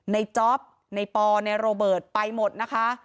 ไนย์จอฟไนย์ปอร์ไนย์โรเบิร์ตไปหมดนะคะ